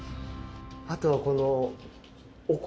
あとはこの。